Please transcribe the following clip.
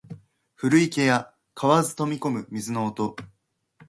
古池や蛙飛び込む水の音